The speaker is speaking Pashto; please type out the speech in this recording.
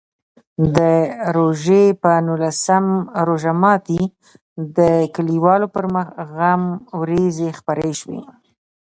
د روژې په نولسم روژه ماتي د کلیوالو پر مخ غم وریځې خپرې شوې.